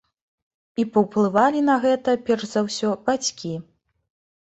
І паўплывалі на гэта, перш за ўсё, бацькі.